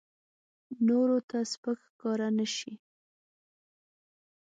نورو ته سپک ښکاره نه شي.